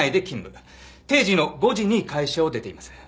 定時の５時に会社を出ています。